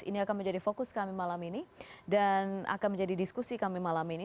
ini akan menjadi fokus kami malam ini dan akan menjadi diskusi kami malam ini